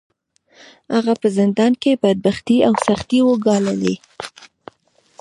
هغه په زندان کې بدبختۍ او سختۍ وګاللې.